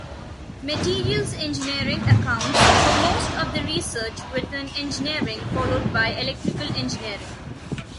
Materials engineering accounts for most of the research within engineering, followed by electrical engineering.